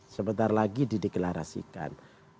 sebentar lagi di deklarasikan